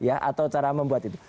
atau cara membuat itu